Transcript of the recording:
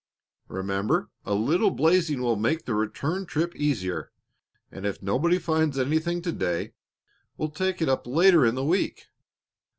Remember, a little blazing will make the return trip easier, and if nobody finds anything to day, we'll take it up later in the week.